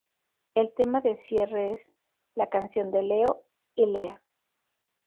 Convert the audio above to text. El tema de cierre es "La canción de Leo y Leah".